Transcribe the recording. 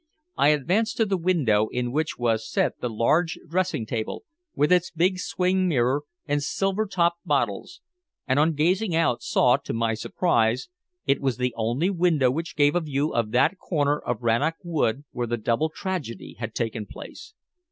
I advanced to the window, in which was set the large dressing table with its big swing mirror and silver topped bottles, and on gazing out saw, to my surprise, it was the only window which gave a view of that corner of Rannoch Wood where the double tragedy had taken place.